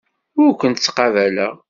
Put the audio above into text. Ur kent-ttqabaleɣ.